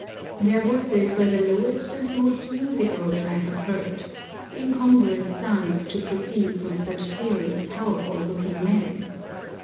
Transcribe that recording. Their voices were the lowest and most musical that I have heard, incongruous sounds to proceed from such hairy, powerful looking men.